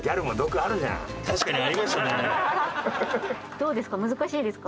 どうですか？